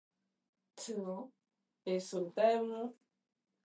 Francis, elsewhere, explains his past to Felicia.